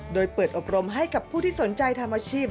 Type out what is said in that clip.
โดยเปิดอบรมให้กับผู้ที่สนใจทำอาชีพ